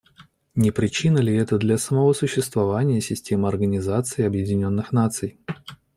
Не причина ли это для самого существования системы Организации Объединенных Наций?